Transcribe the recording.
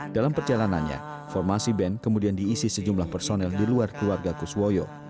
dalam perjalanannya formasi band kemudian diisi sejumlah personel di luar keluarga kuswoyo